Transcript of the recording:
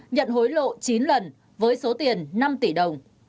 nhận hối lộ chín lần với số tiền năm tỷ đồng